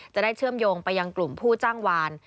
เชื่อมโยงไปยังกลุ่มผู้จ้างวาน